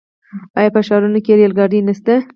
آیا په ښارونو کې ریل ګاډي نشته؟